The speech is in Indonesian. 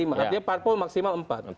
artinya parpol maksimal empat